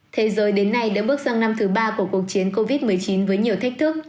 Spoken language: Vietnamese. thế giới đến nay đã bước sang năm thứ ba của cuộc chiến covid một mươi chín với nhiều thách thức